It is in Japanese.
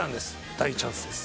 大チャンスです。